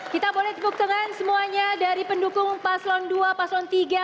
kita boleh tepuk tangan semuanya dari pendukung paslon dua paslon tiga